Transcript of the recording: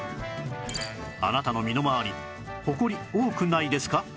あなたの身の回りほこり多くないですか？